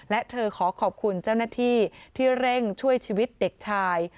และเธอขอขอบคุณเจ้าหน้าที่ที่เร่งช่วยชีวิตเด็กชาย